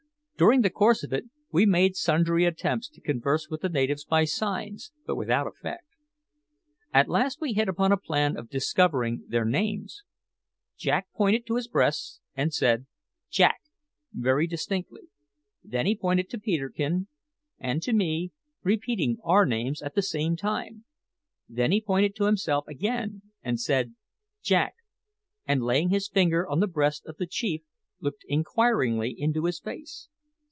During the course of it we made sundry attempts to converse with the natives by signs, but without effect. At last we hit upon a plan of discovering their names. Jack pointed to his breast and said "Jack" very distinctly; then he pointed to Peterkin and to me, repeating our names at the same time. Then he pointed to himself again and said "Jack," and laying his finger on the breast of the chief, looked inquiringly into his face.